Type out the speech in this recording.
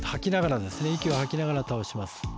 息を吐きながら倒します。